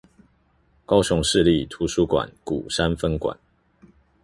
高雄市立圖書館鼓山分館